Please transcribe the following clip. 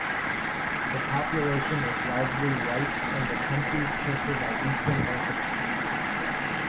The population is largely white, and the country's churches are Eastern Orthodox.